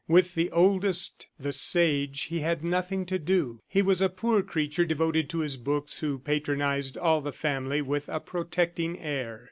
With the oldest, "The Sage," he had nothing to do. He was a poor creature devoted to his books who patronized all the family with a protecting air.